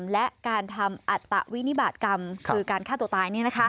และการทำอัตตวินิบาตกรรมคือการฆ่าตัวตาย